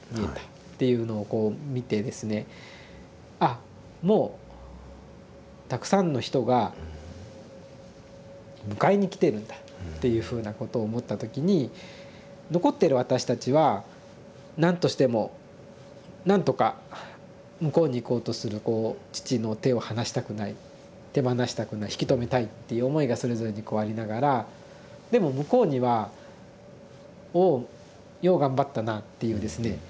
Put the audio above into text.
「あもうたくさんの人が迎えに来てるんだ」っていうふうなことを思った時に残ってる私たちは何としても何とか向こうにいこうとするこう父の手を離したくない手放したくない引き止めたいっていう思いがそれぞれにこうありながらでも向こうには「おおよう頑張ったな」っていうですね